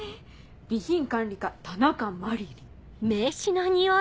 「備品管理課田中麻理鈴」。